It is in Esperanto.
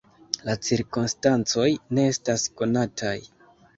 La cirkonstancoj ne estas konataj.